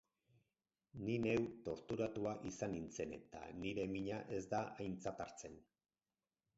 Ni neu torturatua izan nintzen eta nire mina ez da aintzat hartzen.